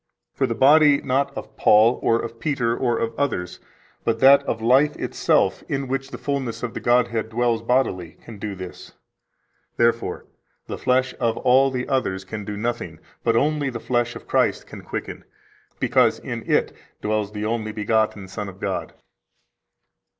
For the body not of Paul or of Peter or of others, but that of Life itself in which the fullness of the Godhead dwells bodily, can do this. Therefore, the flesh of all the others can do nothing, but only the flesh of Christ can quicken, because in it dwells the only begotten Son of God."